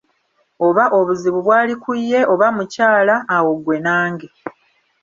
Oba obuzibu bwali ku ye oba mukyala, awo ggwe nange!